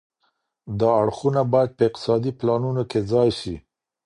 دا اړخونه باید په اقتصادي پلانونو کي ځای سي.